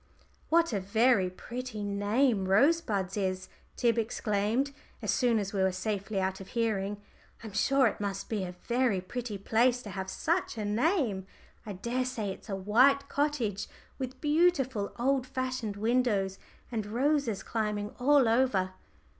"What a very pretty name 'Rosebuds' is," Tib exclaimed, as soon as we were safely out of hearing. "I'm sure it must be a very pretty place to have such a name. I daresay it's a white cottage, with beautiful old fashioned windows, and roses climbing all over."